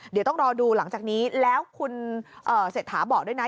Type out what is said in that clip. เดี๋ยวต้องรอดูหลังจากนี้แล้วคุณเศรษฐาบอกด้วยนะ